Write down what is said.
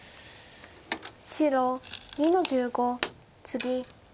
白２の十五ツギ。